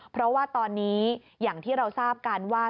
เพราะว่าตอนนี้อย่างที่เราทราบกันว่า